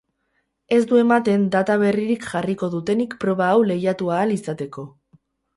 Ez du ematen data berririk jarriko dutenik proba hau lehiatu ahal izateko.